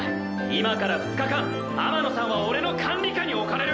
今から２日間天野さんは俺の管理下に置かれる！